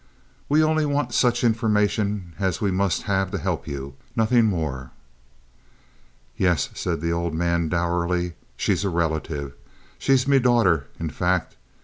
We only want such information as we must have to help you, nothing more." "Yes," said the old man, dourly. "She is a relative. She's me daughter, in fact.